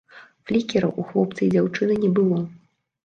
Флікераў у хлопца і дзяўчыны не было.